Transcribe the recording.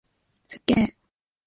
すっげー！